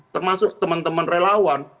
termasuk teman teman relawan